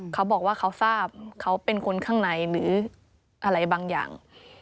เขาบอกว่าเขาทราบเขาเป็นคนข้างในหรืออะไรบางอย่าง